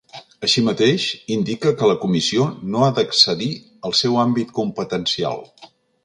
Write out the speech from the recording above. Així mateix, indica que la comissió no ha d’excedir el seu àmbit competencial.